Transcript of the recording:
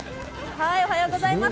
おはようございます。